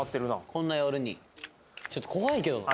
こんな夜にちょっと怖いけどな